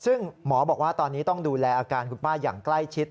ซึ่งหมอบอกว่าตอนนี้ต้องดูแลอาการคุณป้าอย่างใกล้ชิด